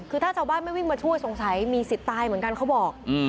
คือถ้าชาวบ้านไม่วิ่งมาช่วยสงสัยมีสิทธิ์ตายเหมือนกันเขาบอก